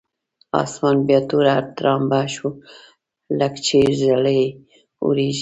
اسمان بیا توره ترامبه شو لکچې ږلۍ اورېږي.